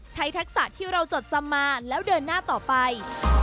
ทักษะที่เราจดจำมาแล้วเดินหน้าต่อไป